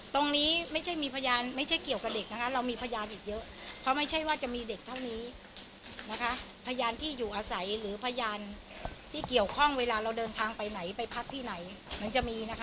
ตรงนี้ไม่ใช่มีพยานไม่ใช่เกี่ยวกับเด็กนะคะเรามีพยานอีกเยอะเพราะไม่ใช่ว่าจะมีเด็กเท่านี้นะคะพยานที่อยู่อาศัยหรือพยานที่เกี่ยวข้องเวลาเราเดินทางไปไหนไปพักที่ไหนมันจะมีนะคะ